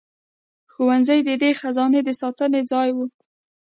ښوونځي د دې خزانې د ساتنې ځای وو.